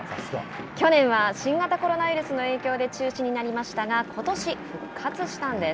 去年は新型コロナウイルスの影響で中止になりましたがことし、復活したんです。